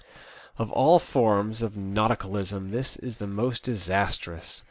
" Of all forms of nauticaHsm this is the most disastrous.